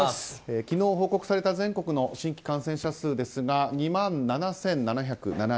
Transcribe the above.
昨日、報告された全国の新規感染者数ですが２万７７０７人。